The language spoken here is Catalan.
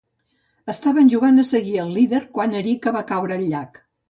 Estaven jugant a seguir el líder quan Erica va caure al llac.